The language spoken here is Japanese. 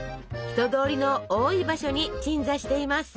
人通りの多い場所に鎮座しています。